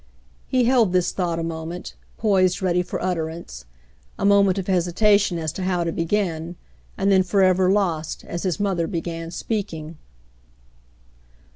He held this thought a moment, poised ready for utterance — a moment of hesitation as to how to begin, and then forever lost, as his mother began speaking.